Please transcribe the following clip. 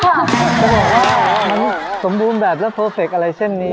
นะนะว่ามันสมบูรณ์แบบและโพรเฟกก์อะไรเช่นนี้